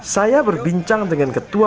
saya berbincang dengan ketua